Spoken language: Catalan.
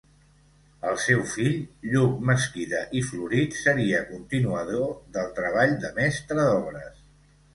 El seu fill Lluc Mesquida i Florit seria continuador del treball de mestre d'obres.